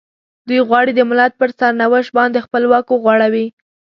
دوی غواړي د ملت پر سرنوشت باندې خپل واک وغوړوي.